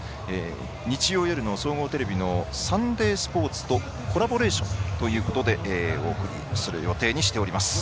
日曜夜の総合テレビの「サンデースポーツ」とコラボレーションということでお送りする予定にしています。